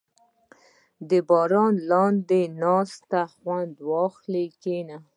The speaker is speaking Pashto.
• د باران لاندې د ناستې خوند واخله، کښېنه.